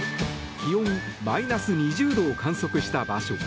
気温マイナス２０度を観測した場所。